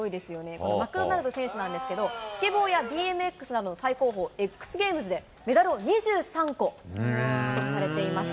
このマクドナルド選手なんですけど、スケボーやＢＭＸなどの最高峰、ＸＧａｍｅｓで、メダルを２３個獲得されています。